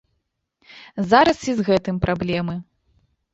Зараз і з гэтым праблемы.